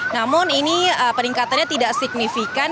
namun ini peningkatannya tidak signifikan